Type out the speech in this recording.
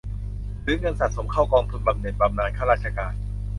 หรือเงินสะสมเข้ากองทุนบำเหน็จบำนาญข้าราชการ